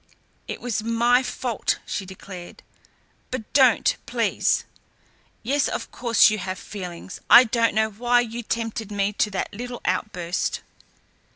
"It was my fault," she declared, "but don't, please. Yes, of course you have feelings. I don't know why you tempted me to that little outburst."